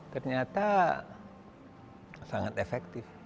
ternyata sangat efektif